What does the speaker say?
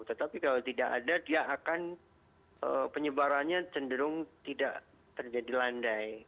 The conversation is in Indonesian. tetapi kalau tidak ada dia akan penyebarannya cenderung tidak terjadi landai